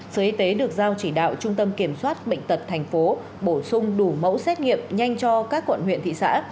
sở y tế được giao chỉ đạo trung tâm kiểm soát bệnh tật thành phố bổ sung đủ mẫu xét nghiệm nhanh cho các quận huyện thị xã